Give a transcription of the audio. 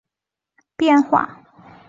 乔治湖著名于它的水位变化。